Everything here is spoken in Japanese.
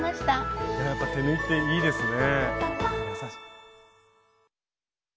やっぱり手縫いっていいですね。